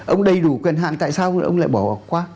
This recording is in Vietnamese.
ông đầy đủ quyền hạn tại sao ông lại bỏ qua